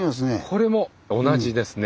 これも同じですね。